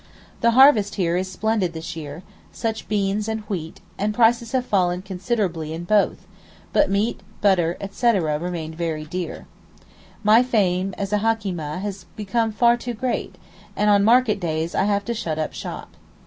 The harvest here is splendid this year, such beans and wheat, and prices have fallen considerably in both: but meat, butter, etc., remain very dear. My fame as a Hakeemeh has become far too great, and on market days I have to shut up shop.